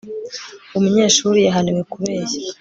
umunyeshuri yahaniwe kubeshya